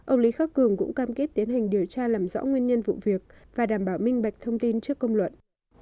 ông lý khắc cường cũng cam kết tiến hành điều tra làm rõ nguyên nhân vụ việc và đảm bảo minh bạch thông tin trước công luận